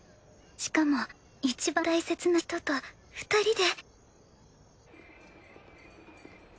しかもいちばん大切な人と２人で。